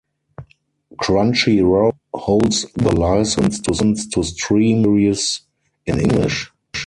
Crunchyroll holds the license to stream the series in English.